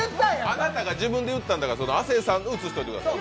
あなたが自分で言ったんだから、亜生さんを映しておいてください。